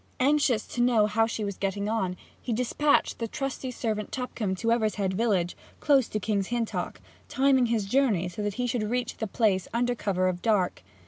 Anxious to know how she was getting on, he despatched the trusty servant Tupcombe to Evershead village, close to King's Hintock, timing his journey so that he should reach the place under cover of dark.